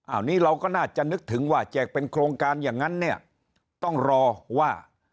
อันนี้เราก็น่าจะนึกถึงว่าแจกเป็นโครงการอย่างนั้นเนี่ยต้องรอว่า